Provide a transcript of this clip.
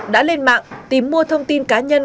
đã lên mạng tìm mua thông tin cá nhân